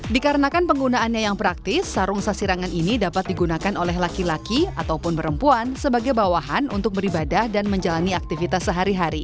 dikarenakan penggunaannya yang praktis sarung sasirangan ini dapat digunakan oleh laki laki ataupun perempuan sebagai bawahan untuk beribadah dan menjalani aktivitas sehari hari